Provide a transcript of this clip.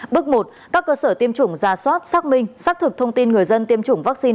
bước một các cơ sở tiêm chủng giả soát xác minh xác thực thông tin người dân tiêm chủng vaccine